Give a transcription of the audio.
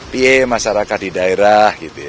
p masyarakat di daerah gitu ya